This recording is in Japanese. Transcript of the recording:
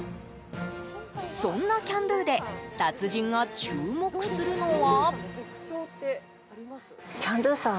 そんなキャンドゥで達人が注目するのは。